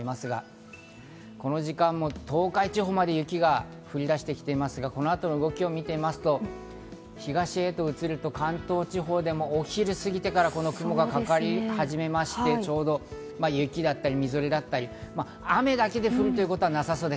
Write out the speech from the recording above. この時間も東海地方まで雪が降り出してきていますが、この後の動きを見てみますと、東へと移る、関東地方でもお昼を過ぎてから雲がかかり始めまして、ちょうど雪だったり、みぞれだったり、雨だけで降るということはなさそうです。